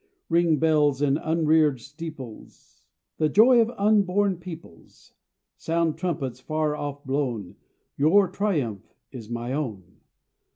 Ring, bells in unreared steeples, The joy of unborn peoples! Sound, trumpets far off blown, Your triumph is my own.